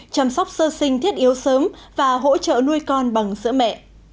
chăm sóc sơ sinh thiết yếu sớm và hỗ trợ nuôi con bằng sữa mẹ